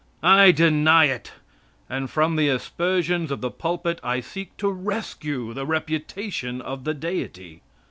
I deny it; and from the aspersions of the pulpit I seek to rescue the reputation of the Deity.